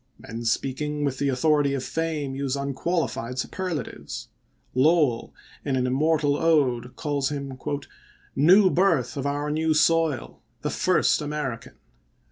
Men speak ing with the authority of fame use unqualified superlatives. Lowell, in an immortal ode, calls him " New birth of our new soil, the first Ameri can."